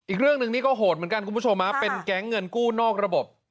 อีกเรื่องหนึ่งนี่ก็โหดเหมือนกันคุณผู้ชมเป็นแก๊งเงินกู้นอกระบบ